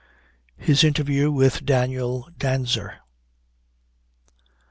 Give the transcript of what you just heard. '" HIS INTERVIEW WITH DANIEL DANSER.